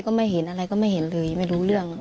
ก็ไม่เห็นอะไรก็ไม่เห็นเลยไม่รู้เรื่อง